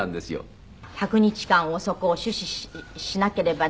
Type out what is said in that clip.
１００日間そこを死守しなければならない。